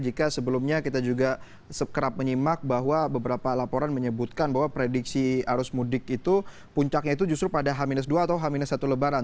jika sebelumnya kita juga sekerap menyimak bahwa beberapa laporan menyebutkan bahwa prediksi arus mudik itu puncaknya itu justru pada h dua atau h satu lebaran